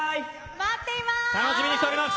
待っています！